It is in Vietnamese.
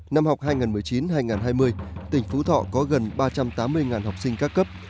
năm học hai nghìn một mươi chín hai nghìn hai mươi tỉnh phú thọ có gần ba trăm tám mươi học sinh các cấp